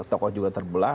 tokoh juga terbelah